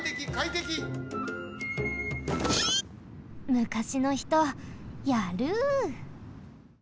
むかしのひとやる！